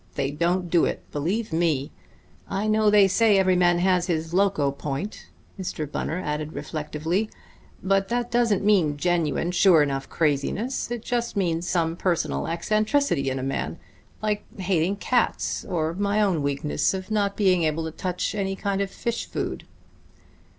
They don't do it believe me. I know they say every man has his loco point," Mr. Bunner added reflectively, "but that doesn't mean genuine, sure enough craziness; it just means some personal eccentricity in a man ... like hating cats ... or my own weakness of not being able to touch any kind of fish food."